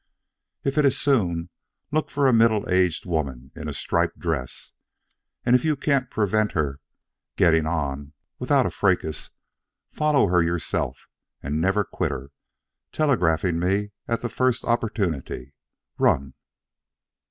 If it is soon, look for a middle aged woman in a striped dress, and if you can't prevent her getting on, without a fracas, follow her yourself and never quit her telegraphing me at the first opportunity. Run."